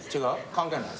関係ない？